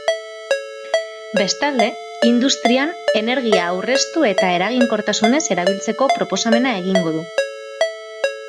Bestalde, industrian energia aurreztu eta eraginkortasunez erabiltzeko proposamena egingo du.